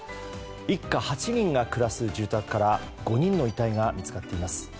一家８人が暮らす住宅から５人の遺体が見つかっています。